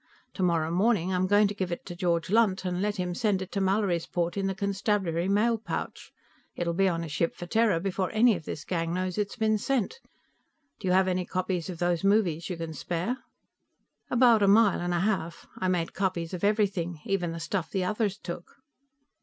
Tomorrow morning I'm going to give it to George Lunt and let him send it to Mallorysport in the constabulary mail pouch. It'll be on a ship for Terra before any of this gang knows it's been sent. Do you have any copies of those movies you can spare?" "About a mile and a half. I made copies of everything, even the stuff the others took."